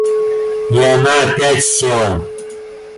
И она опять села.